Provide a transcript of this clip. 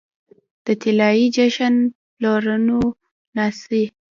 د طلايې جشن پرپلونو ناڅي